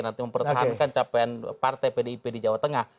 nanti mempertahankan capaian partai pdip di jawa tengah